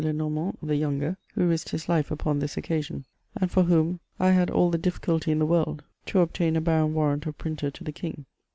Le Normant the Younger, who risked his life upon this occasion, and for whom I had all the difficulty in the world to obtain a barren warrant of printer to the King.